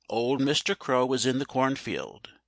old Mr. Crow was in the cornfield.